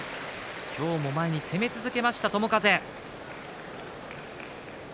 今日も前に攻め続けました